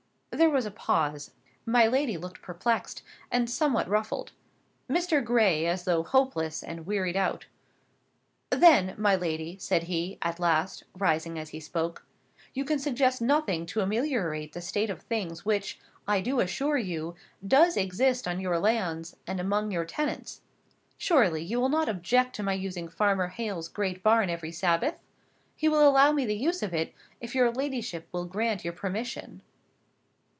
There was a pause; my lady looked perplexed, and somewhat ruffled; Mr. Gray as though hopeless and wearied out. "Then, my lady," said he, at last, rising as he spoke, "you can suggest nothing to ameliorate the state of things which, I do assure you, does exist on your lands, and among your tenants. Surely, you will not object to my using Farmer Hale's great barn every Sabbath? He will allow me the use of it, if your ladyship will grant your permission."